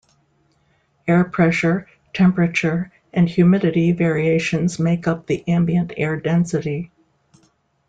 Air pressure, temperature, and humidity variations make up the ambient air density.